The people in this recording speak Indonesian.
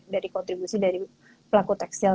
dari kontribusi dari pelaku tekstil